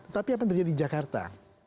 tapi apa yang terjadi di jakarta